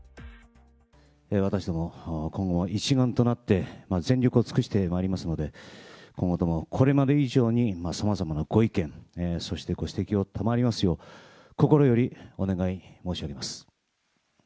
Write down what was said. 私ども、今後一丸となって全力を尽くしてまいりますので、今後ともこれまで以上にさまざまなご意見、そしてご指摘を賜りますよう、心よりお願い申し上げます。